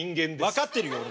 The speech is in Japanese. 分かってるよ。